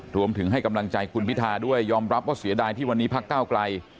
รวมถึงให้กำลังใจคุณพิทาด้วยยอมรับว่าเสียดายที่วันนี้พักเก้าไกล